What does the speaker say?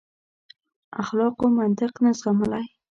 اخلاقو منطق نه زغملای.